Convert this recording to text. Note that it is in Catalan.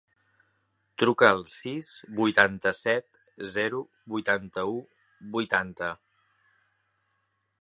Truca al sis, vuitanta-set, zero, vuitanta-u, vuitanta.